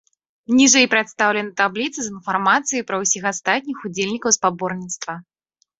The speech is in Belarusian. Ніжэй прадстаўлена табліца з інфармацыяй пра ўсіх астатніх удзельнікаў спаборніцтва.